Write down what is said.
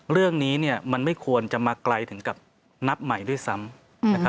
เรื่องนี้มันไม่ควรจะมาไกลถึงกับนับใหม่ด้วยซ้ำ